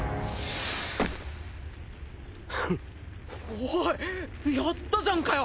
おいやったじゃんかよ